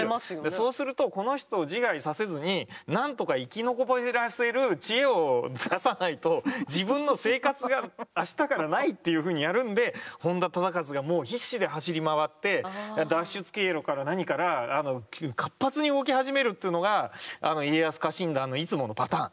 そうするとこの人を自害させずになんとか生き残らせる知恵を出さないと自分の生活が明日からないっていうふうにやるんで本多忠勝がもう必死で走り回って脱出経路から何から活発に動き始めるっていうのがあの家康家臣団のいつものパターン。